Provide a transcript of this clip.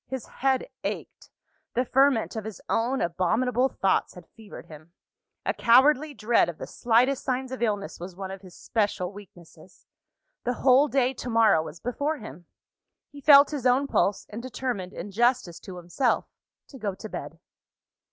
His head ached; the ferment of his own abominable thoughts had fevered him. A cowardly dread of the slightest signs of illness was one of his special weaknesses. The whole day, to morrow, was before him. He felt his own pulse; and determined, in justice to himself, to go to bed.